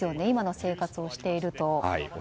今の生活をしていると。